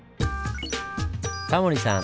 タモリさん